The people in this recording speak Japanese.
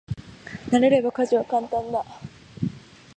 慣れれば家事は簡単だ。